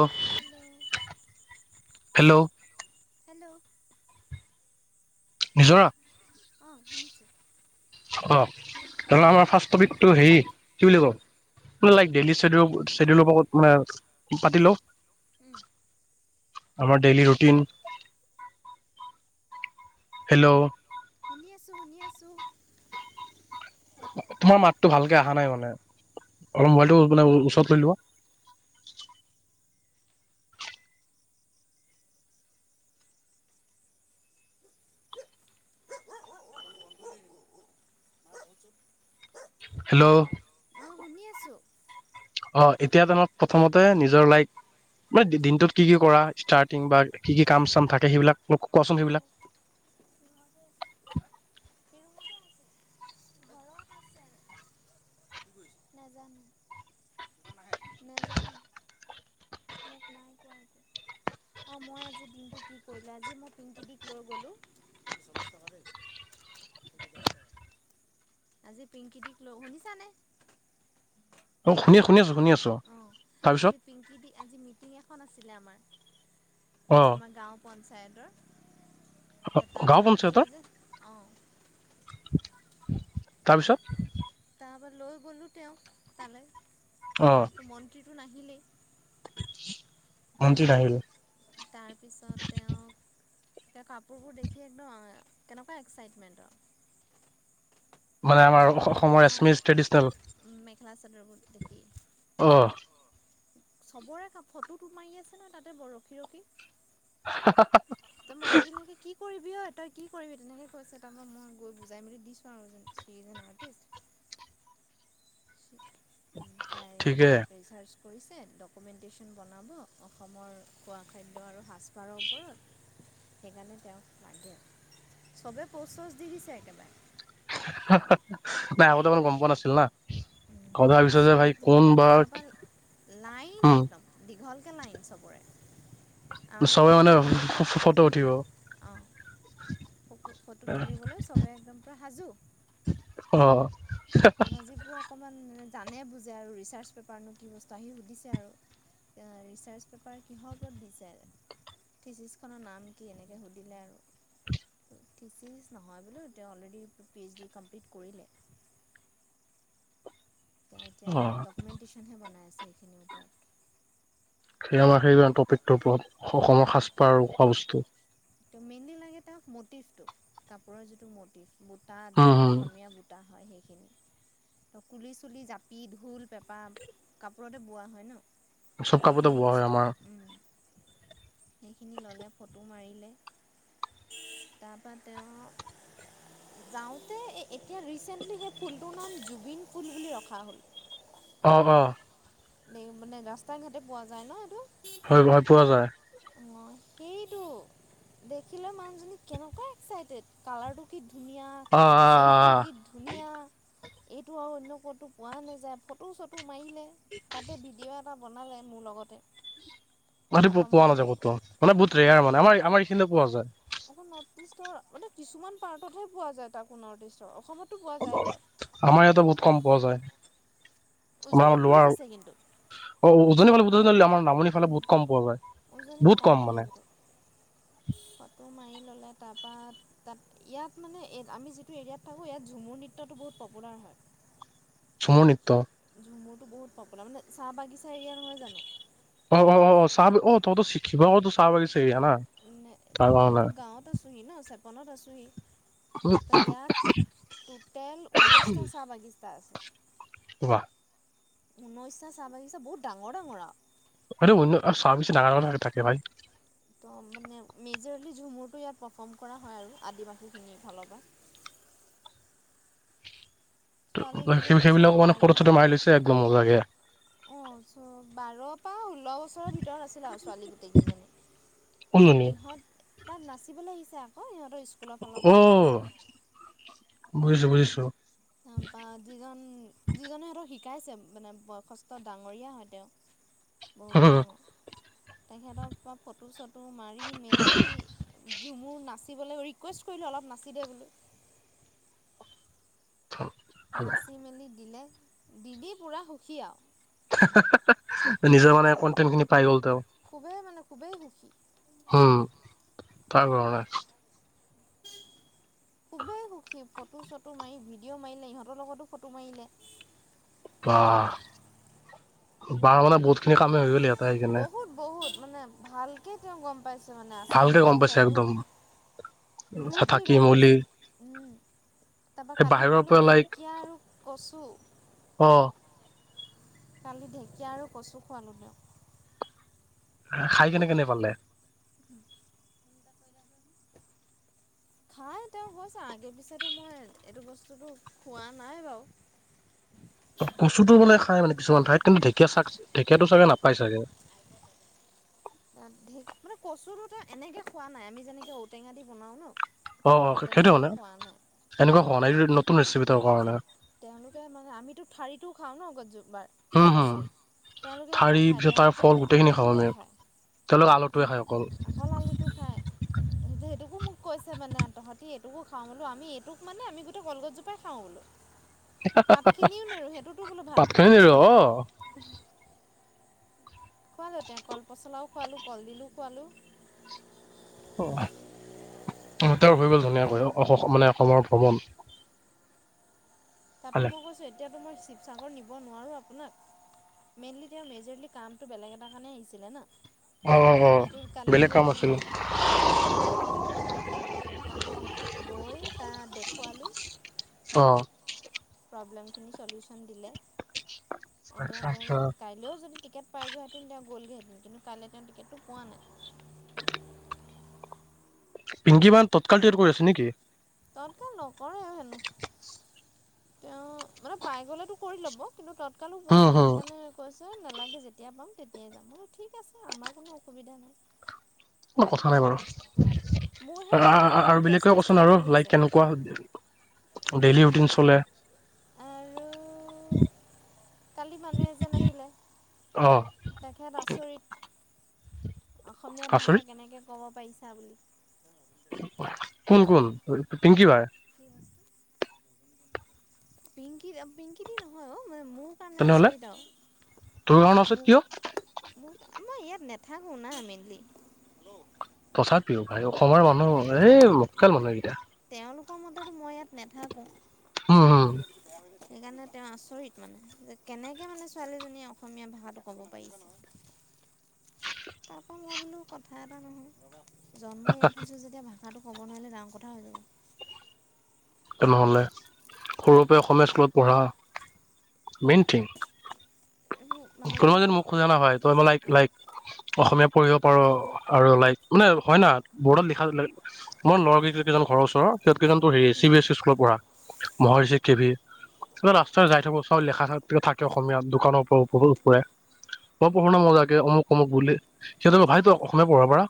অ' hello hello hello নিজৰা অ' শুনিছো। অ' আমাৰ ফাৰ্ষ্ট টপিকটো হে, কি বুলি কম লাইক ডেইলিডউ চেডিউল মানে পাতি লও। আমাৰ ডেইলি ৰুটিন। হেল্ল' শুনি আছোঁ শুনি আছো। তোমাৰ মাতটো ভালকে অহা নাই মানে। অলপ মোবাইলটো ওচৰত লৈ লোৱা। হেল্ল' অঁ শুনি আছোঁ। অ' এতিয়া ধৰক প্ৰথমতে নিজৰ লাইফ মানে দিনটোত কি কি কৰা স্টাৰ্টিং বা কি কি কাম চাম থাকে সেইবিলাক মোক কোৱা চোন সেইবিলাক। নেজানো, নেজানো, মোক নাই কোৱা একো। অ' মই আজি দিনটোত কি কৰিলো আজি মই পিংকি দিক লৈ গ'লো আজি পিংকি দিক লৈ শুনিছানে? অ' শুনি শুনি আছোঁ। অ', আজি পিংকি দি আজি মিটিং এ এখন আছিলে আমাৰ। অ আমাৰ গাঁও পঞ্চায়ত চাইডৰ তাত গাঁও মানে পঞ্চায়তৰ কলে যে, অ'। তাৰপিছত? তাৰপৰা লৈ গ'লোঁ, তেওঁক তালে অ তাতো মন্ত্ৰীটো আহিলে? মন্ত্ৰী বাঢ়িল। তাৰপিছত তেওঁক এ কাপোৰবোৰ দেখি একদম কেনেকুৱা এক্সচাইটমেণ্ট আ মানে আমাৰ অসমৰ এচমিচ ট্ৰেডিচনেল খেলা চাদৰবোৰ দেখি অহ। চবৰে ফটোতো মাৰি আছে নে তাতে ৰখি ৰখি হা হা ত মানুহ বিলাকে কি কৰি অ তই কি কৰিবি, তেনেকৈ কৈছে, তাৰপৰা মই গৈ বুজাই মেলি দিছোঁ আৰু যে আৰ্টিষ্ট [unintelligible] তাই ঠিকে ৰিচাৰ্ছ কৰিছে বাৰৰ ওপৰত সেইকাৰণে তেওঁক লাগে। চবে পচ চচ দি দিছে একেবাৰে নাই আগতে মানে গম পোৱা নাছিল না ঘৰত পচ ভাবিছো যে চজ ভাই কোন বা তাৰপা নাই উম একদম দীঘল তে লাইন চবৰে আমাকো চবে মানে ফটোখন মাৰক ফটো উঠিব অঁ ফটো তুলিবলৈ চবে একদম সাজু অ ধেমাজিবোৰ অকমান মানে জানে বুজে আৰু ৰিচাৰ্চ পেপাৰনো কি বস্তু আহি সুধিছে আৰু ৰিচাৰ্চ পেপাৰ কিহৰ ওপৰত দিছে থিচিচখনৰ নাম কি এনেকৈ সুধিলে আৰু থিচিচ নহয় বোলো তেওঁ already P H D complete কৰিলে এতিয়া অ ডকুমেন্টেশচন হে বনাই আছে সেই খিনিৰ ওপৰত সেই আমাৰ সেই টপিকটোৰ ওপৰত অসমৰ সাজপাৰ আৰু খোৱা বস্তু মেইনলি লাগে তাৰ মটিভটো কাপোৰৰ যিটো মটিভ বুটা উম যিটো হম অসমীয়া বুটা তো কুলি চুলি জাপি ঢোল পেঁপা কাপোৰতে বোৱা হয় ন চব কাপোৰতে সেইখিনি বোৱা হয় বস্তু আমাৰ সেইখিনি ল'লে ফটো মাৰিলে তাৰপৰা তেওঁ যাওঁতে এতিয়া ৰিচেন্টলি সেই ফুলটোৰ নাম জুবিন ফুল বুলি ৰখা হ'ল অ অ এই মানে ৰাস্তা ঘাটে পোৱা যায় ন এইটো হয় হয় পোৱা যায়। অ সেইটো দেখিলে মানুহজনী কেনেকুৱা এক্সাইটেড কালাৰটো কি ধুনীয়া অ অ সেবটো অ কি ধুনীয়া এইটো আৰু অন্য কতো পোৱা নাযায় ফটো চটো। মাৰিলে তাতে ভিডিঅ এটা বনালে মোৰ লগতে। গতি তাৰপৰা পোৱা মই নাযায় কত। অহ ', মানে বহুত মই ৰেয়াৰ মানে আম আমাৰ এইখিনিতে পোৱা যায়। নৰ্থ ইষ্টৰ মানে কিছুমান পাৰ্টতহে পোৱা যায়। তাকো নৰ্থ ইষ্টৰ অসমত আমাৰ ইয়াতে বহুত কম পোৱা যায়। আমাৰ - উজনিত আমাৰ বহুত লয়াৰ আছে কিন্তু অহ ', উজনিৰ ফালে বজ আমাৰ নামনি ফালে বহুত কম পোৱা যায় উজনিত বহুত কম কমন মানে। এইবোৰ ত' ইয়াত মান আমি যিটো এৰিয়াত থাকো ইয়াত ঝুমুৰ নৃত্যটো বহুত পপুলাৰ হয়। ঝুমুৰ নৃত্য। মোৰতো বহুত পপুলাৰ মানে চাহ বাগিচা এৰিয়া নহয় জানো। অহ ', - অহ ', - অহ ', চাহ অহ ', তহইতো শিখিবা টো চাহ বাগি তাহাতৰ ঘৰলৈ [unintelligible] আছোহি ন চেপনত আছোহি। ত' ইয়াত টোটেল ঊনৈশটা চাহ বাগিচা। টা আছে। ৱাহ। ঊনৈছশা চাহ বাগিচা বহুত ডাঙৰ - ডাঙৰ আৰু। সেইটো আৰু চাহ বাগিচা ডাঙৰ থাকে ভাই। জিৰলি ঝুমুৰটো ইয়াত পাৰফৰ্ম কৰা হয় আৰু আদিবাসীখিনিৰ ফালৰ পৰা। ছোৱালী সেই কেইজনী সেইবিলাক চব মানে বাৰ ফটো চটো মাৰি লৈছে একদম মজাকে অহ ', চ বাৰ পৰা ষোল্ল বছৰৰ ভিতৰত আছিলে আৰু ছোৱালী গোটেইকেইজনী। কোনজনী ইহঁত তাত নাচিবলৈ আহিছে আকৌ ইহত। অহ ', বুজিছো - বুজিছো। তাৰপৰা যিজন- যিজনে সিহঁতক শিকাইছে মানে বয়খস্ত ডাঙৰীয়া হয় তেওঁ। বহুতেই ডাঙৰ। তেখেতৰ ফটো চটো মাৰ মোৰ নাচিবলৈ ৰিকুৱেষ্ট কৰিলো অলপ নাচি দে বো নাচি মেলি দিলে। দিদি পুৰা সুখী আৰু। হা - হা নিজৰ মানে কণ্টেণ্ট খিনি পাই গল তেওঁ খুবেই মানে খুবেই সুখী হম, তাৰ কাৰণে। খুবেই সুখী ফটো চটো মাৰি ভিডিঅ' মাৰিলে ইহঁতৰ লগতো ফটো মাৰিলে বাহ মানে বহুত খিনি কামেই হৈ গ'ল ইয়াত বহুত বহুত মানে ভাল কে তেওঁ গম পাইছে আসাম ভালকে গম পাইছে কালচাৰ তো, একদম থা- ৰুথলি থাকি গম পাই মেলি ছে উম তাৰ পাছত সেই কালি বাহিৰৰ পৰা লাইক ঢেকীয়া গছ অ' কালি ঢেঁকীয়া আৰু কচু খুৱালোঁ দিয়ক খাই কেনে কেনে পালে খাই তেওঁ গৈছে আগে পিছেতো মই এইটো বস্তুটো খোৱা নাই বাৰু কচুটো বোলে খাই মানে কিছুমান ঠাইত কিন্তু ঢেকীয়া চাক ঢেঁকীয়াতটো চাগে নাপায় চাগে মানে কচুো এনেকে খোৱা নাই আমি যেনেকে ঔটেঙা দি বনাও ন অ' সেইটো তেনেকে হোৱানে খোৱা নাই এনেকুৱা হোৱা নাই আৰু এই নতুন ৰেচিপিটোৰ কাৰণে খাঁও ন গজু বাৰ হম হম কচুৰ তেওঁলোকে সেইটো ঠাৰি নাখায় পিছত তাৰ তেওঁলোকে ফল অকল গোটেইখিনি খাওঁ আলুটোহে আমি খায় তেওঁলোক আলুটোৱে খায় অকল আকৌ আলুটো খাইেই সেইটোকো মোক, তোক কৈছে মানে তহঁতি এইটোকো খাওঁ বোলো আমি এইটোক মানে আমি গোটেই কলগছজোপাই খাওঁ বোলো পাতখিনিও নেৰো সেইটোতো বোলো ভাত পাতখিনি খাওঁ নিৰো অ বোলে খোৱালোঁ তেওক, কল পচলাওঁ খোৱালোঁ, কলডিলো খোৱালোঁ। অ', তেওঁৰ হৈ গ'ল মানে অ-অসমৰ ভ্ৰমণ। তাতো ভালে মই কৈছো এতিয়াতো মই শিৱসাগৰ নিব নোৱাৰো আপোনাক, মেইনলি দিয়া মেজৰলী কামটো বেলেগ এটা কাৰণে আহিছিলে না। অ', সেইটো কালি বেলেগ গৈ কাম আছিল। আহিলোঁ কালি গৈ তাত দেখুৱালোঁ। অ'। প্ৰব্লেমখিনি চলিউচন দিলে। এতিয়া আচ্ছা তেওঁ আচ্ছা যদি কাইলৈও যদি টিকেট পাইযোৱা হেতেন তেওঁ গ'লগৈহেতেন, কিন্তু কাইলৈ তেওঁ টিকেটটো পোৱা নাই। [unintelligible] মান তৎকাল টিকেট কৰি আছে নেকি? তৎকাল নকৰেও হেনো, তেওঁ মানে পাই গলেতো কৰি ল'ব কিন্তু তত কালো পোৱা হুম নাই, হুম সেইকাৰণে কৈ [unintelligible] নালাগে যেতিয়া পাম তেতিয়াই যাম। বুলো ঠিক আছে আমাৰ কোনো অসুবিধা নাই। অ', কথা নাই বাৰু। মোৰহে গাঁৱত অলপ আৰু বেলেগ প্ৰেষ্টিজটো কচোন আৰু, বাঢ়ি গৈছে লাইক কেনেকুৱা ডেইলি ৰুটিন বোলে আৰু, কালি মানুহ এজন আহিলে, অ তেখেত আচৰিত অসমীয়া ভাষা আচৰিত কেনেকে ক'ব পাৰিছা বুলি। কোন কোন? পিংকি বাৰ? পিংকি, পিংকি দি নহয় অ'। ম মোৰ কাৰণে তেনেহলে আচৰিত তোৰ কাৰণ আৰু আচৰিত কিয় মোক আমাৰ ইয়াত নে থাকোঁ না মেলি, উম। তথাপিও ভাই অসমৰ মানুহৰ বাবে এই লোকেল মানুহ এইকেইটা। তেওঁলোকৰ মতেটো মই ইয়াত নৈথাকো। উম, হুম। সেইকাৰণে তেওঁ আচৰিত মানে যে কেনেকে মানে ছোৱালীজনীয়ে অসমীয়া ভাষাটো ক'ব পাৰি। তাৰপৰা মই বোলো কথা এটা নহয়। জন্ম ইয়াত হৈছো যেতিয়া ভা কথাটো ক'ব নোৱাৰিলে ডাঙৰ কথা হৈ যাব। তেনেহ'লে সৰুৰ পৰা অসমীয়া স্কুলত পঢ়া, মেইন থিং। এইবোৰ কোনোবা যদি মানুহবিলাকক মোক খোজা নহয় ত' মই লাইক অঁ লাইক অসমীয়া পঢ়িব পাৰোঁ আৰু লাইক মানে হয় না ব'ৰ্ডত লিখা মোৰ ল'ৰা কেই কেইজন ঘৰৰ ওচৰ সিহঁত কেইজনটো ৰে চি [unintelligible] স্কুলত পঢ়া। মহৰিছি কেভিন এ ৰাস্তাই যায় থাকোঁ চব লেখা থাকে অসমীয়া দোকানৰ পৰা। [unintelligible] মই পঢ়ো ন' মজাকে অমুক অমুক বুলি সিহঁত ভাই তই অসমীয়া পঢ়াৰ পৰা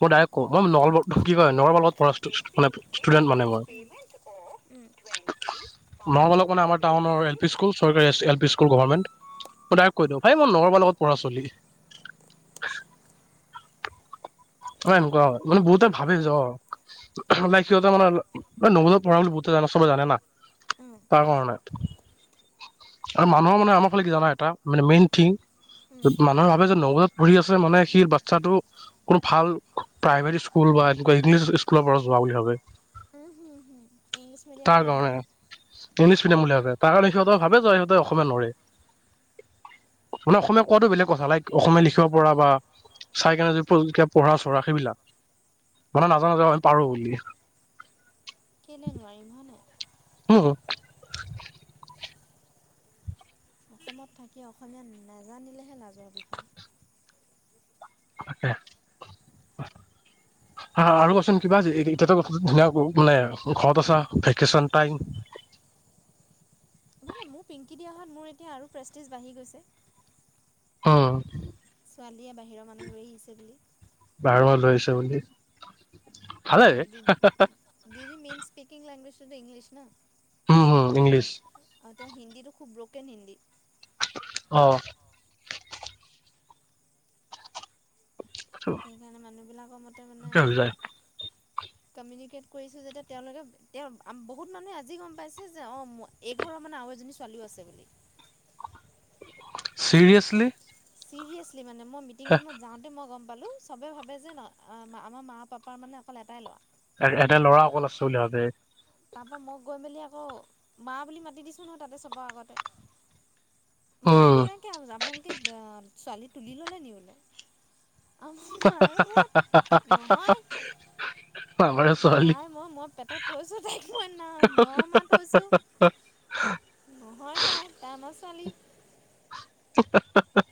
মই ডায়ৰেক্ট কওঁ মই [unintelligible] কি কয় [unintelligible] পঢ় [unintelligible] মানে মই নগলক মই মানে আমাৰ টাউনৰ এল পি স্কুল চৰকাৰী এল পি স্কুল গভৰ্মেণ্ট। কৈ দিওঁ ভাই মই [unintelligible] লগত পঢ়া চলি। অ', এনেকুৱা মানে বহুতে ভাবেছ লাই কসিহঁতে মানে নৱোদয়ত পঢ়া বুলি বহু জান চবে জানে না অঁ তাৰ কাৰণে আৰু মানুহৰ মানে আমাৰ ফালে কি জানা এটা মানে মেইন থিং মানুহৰ ভাবে যে নৱোদয় ঘূৰি আছে মানে সেই বাচ্ছাটো গ্ৰুপ ভাল প্ৰাইভেট স্কুল বা এনেকুৱা ইংলিছ স্কুলৰ পৰা যোৱা বুলি ভাবে। উম, হুম, হুম, ইংলিছ মিডিয়াম তাৰ বুলি কাৰণে ভাবে। ইংলিছ মিডিয়াম বুলি ভাবে তাৰ কাৰণে সিহঁতে ভাবে যে সিহঁতে অসমীয়া নৰে মানে অসমীয়া কোৱাটো বেলেগ কথা লাইক অসমীয়া লিখিব পৰা বা চাই কেনে প্ৰ [unintelligible] কিবা পঢ়া চঢ়া সেইবিলাক মানে আমাৰ নাজান নাজা আমি পাৰোঁ বুলি। কেলে নোৱাৰিম হয়নে? উম, উম। অসমত থাকি অসমীয়া নেজানিলেহে লাজৰ বিষয়। তাকে, হা, হা, আৰু কচোন কিবা এ-এতিয়াতো ধুনীয়া মানে ঘৰত আছা, ভেকেচন টাইম মোক পিংকি দিয়াহাত মোৰ এতিয়া আৰু প্ৰেষ্টিছ বাঢ়ি গৈছে। উম। ছোৱালীয়ে বাহিৰৰ মানুহ লৈ আহিছে বুলি। [unintelligible] লৈছে বুলি ভালে অ', দি, দি মিনচ স্পিকিং লেংগুৱেজ ইংলিছ ন? উম, ইংলিছ। আৰু তেওঁ হিন্দীটো খুব ব্ৰকেন হিন্দী অ'। [inaudible] সেইবিলাকৰ মতে মানে হৈ যায় কমিউনিকেট কৰিছোঁ। যেতিয়া তেওঁলোকে তেওঁ বহুত মানুহে আজি গম পাইছে যে অঁ এই ঘৰৰ মানে আৰু এজনী ছোৱালীও আছে। চিৰিয়াছলি। চিৰিয়াছ লি। মই মিটিংখনত যাওঁতে মই গ'ম- পালোঁ। চবে ভাবে যে ন আমাৰ মা পাপাৰ মানে অকল এটাই লৰা এটা ল'ৰা অকল আছে বুলি ভাবে। তাৰ পৰাৰা মই গৈ মেলি আকৌ মা বুলি মাতি দিছো। নহ তাতে চব আগতে- উম মানুহবিলাককে য ছোৱালী তুলি ল'লে নি বোলে। আমাৰ হাহা, মায়েহে হাহা, হাহা, নহয় হাহা। তাই মই মই পেটত থৈছো। তাইক মই ন নমাহ থৈছো নহয়। তাই আমাৰ ছোৱালী। হাহা হাহা।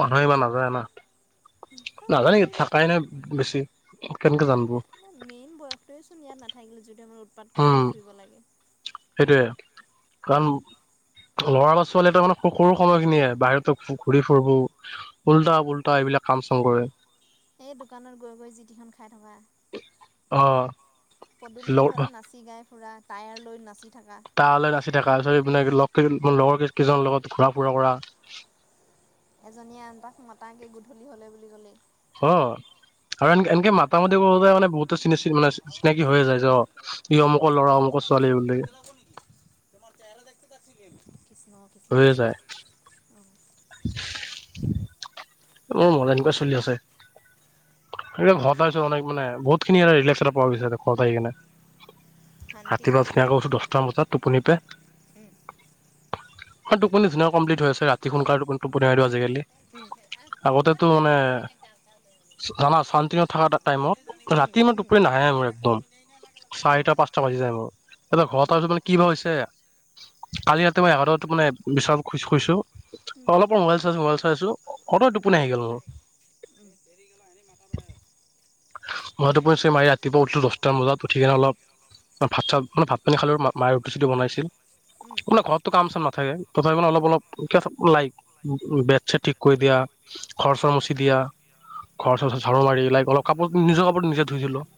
মানুহে ইমান নাজানে না। মই নাজানে বোলো থাকাই নাই বেছি। কেনেকে জানবো। তই চোন ইয় নাথাকিলো যদি উ'ম সেইটোয়ে কাৰণ। লৰা বা ছোৱালী ত মানে সৰু সময়খিনিয়ে বাহিৰতো ঘূৰি ফুুৰবো উওল্টা পুল্টা এইবিলাক কাম চাম কৰে। এই দোকানত গৈ গৈ যিটিখন খাই থকা। অ'। পদূলি লগ মুখতে নাচি গায়। ফুৰা টায়াৰ লৈ নাচি। থকা তায়াৰ লৈ নাচি থাকা যদি বেলেগ লগৰকেইজনক। মোৰ লগৰ ক কেইজনৰ লগত ঘুৰা ফুৰা কৰা। এজনীয়ে আন তাক মতাকে গধূলি হলে বুলি কলে। অ' আৰু এনকে এনকে মাতা মাতি কৰো তে মানে বহুতে চিনা চিন উলাইছে। চিনাকি হৈয়ে যায় জ ই অমুকৰ লৰা অমুকৰ ছোৱালী বুলি। [unintelligible] কৃষ্ণ, কৃষ্ণ, হৈয়ে যায় কৃষ্ণ, ও'ম। [unintelligible] অ' এনেকুৱা চলি আছে। ঘুৰি ফুৰে অনাই- বনাই। [inaudible] শান্তি বুলি ৰাতিপুৱা ন আকৌ দহটামান বজাত টোপনি পে। উম হয়। টোপনি নিচিনা কমপ্লিট হৈ আছে ৰাতি সোনকাল টোপনি আৰু আজিকালি। উ'ম। আগতেটো মানে জানা শান্তিকে থাকা এটা টাইমত উম ৰাতি মানে উম টোপৰি নাহে মোৰ একদম চাৰিটা উম পাঁচটা বাজি যায়। মোৰ এ ঘৰতা কি বা হৈছে। কালি ৰাতি মই এঘাৰ টা বজাত টোপনি বিচনাত শুইছো। অলপ ৰ মোবাইল চাইছো মোবাইল চাইছো। [unintelligible] ম ইটো পৰিছি মাৰি ৰাতিপুৱ উঠিলো দহটাম বজাত উঠি কেনে অলপ ভাত চপ ম ই ভাত পানী খালো মায়ে ৰুটি চুটি বনাইছিল। উম [unintelligible] ৰ ঘৰতটো কাম চাম থাকে। উম [unintelligible] বেট চেট ঠিক কৰি দিয়া ঘৰ চৰমচি দিয়া খৰ চৰচ ঝাৰু মাৰি লাইক অলপ। কাপোৰ নিজৰ কাপোৰত নিজে ধুইছিলো।